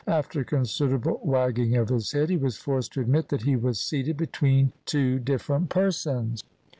After considerable wagging of his head, he was forced to admit that he was seated between two different persons.